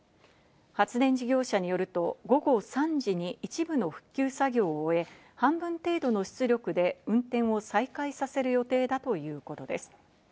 発電事業者によると午後３時に一部の復旧作業を終え、半分程度の出力で運転を再開させる予定だということです。